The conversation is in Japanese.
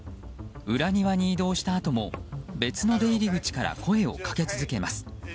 裏庭に移動したあとも別の出入り口から声をかけ続けます。